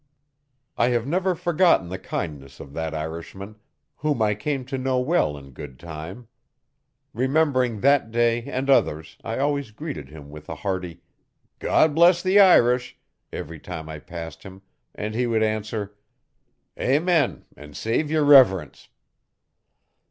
I have never forgotten the kindness of that Irishman, whom I came to know well in good time. Remembering that day and others I always greeted him with a hearty 'God bless the Irish!' every time I passed him, and he would answer, 'Amen, an' save yer riverince.'